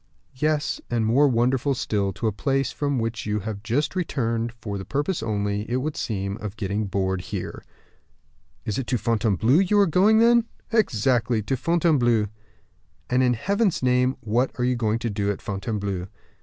"Yes; and more wonderful still, to a place from which you have just returned for the purpose only, it would seem, of getting bored here." "It is to Fontainebleau you are going, then?" "Exactly; to Fontainebleau." "And, in Heaven's name, what are you going to do at Fontainebleau?"